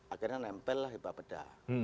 akhirnya nempel di bapeda